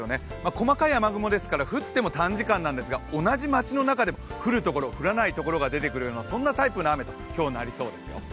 細かい雨雲ですから降っても短時間なんですが、同じ街の中で降るところ、降らないところが出てくるようなそんなタイプの雨と今日はなりそうですよ。